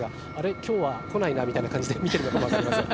きょうは来ないなという感じで見てるのかもわかりません。